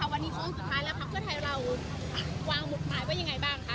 วันนี้โค้งสุดท้ายแล้วพักเพื่อไทยเราวางหมุดหมายว่ายังไงบ้างคะ